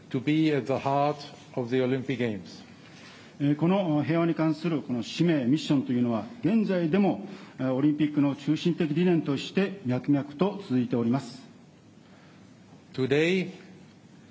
この平和に関する使命、ミッションというのは、現在でもオリンピックの中心的理念として、脈々と続いております。